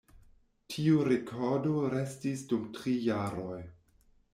Tiu rekordo restis dum tri jaroj.